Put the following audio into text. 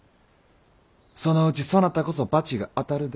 そのうちそなたこそ罰が当たるで。